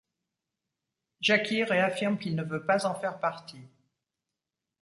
Jackie réaffirme qu'il ne veut pas en faire partie.